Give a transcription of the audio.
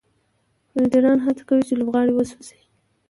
فېلډران هڅه کوي، چي لوبغاړی وسوځوي.